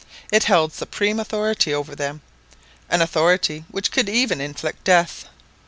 It held supreme authority over them, an authority which could even inflict death.